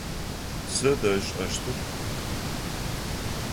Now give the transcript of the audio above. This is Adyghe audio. Сыд ышӏэщтыр?